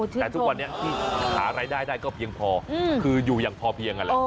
แต่ทุกวันนี้ที่หารายได้ได้ก็เพียงพอคืออยู่อย่างพอเพียงนั่นแหละ